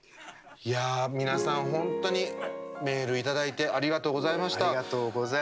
いや、皆さん、本当にメールいただいてありがとうございました。